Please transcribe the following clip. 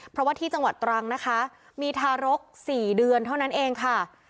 เพราะว่าที่จังหวัดตรังนะคะมีทารก๔เดือนเท่านั้นเองค่ะ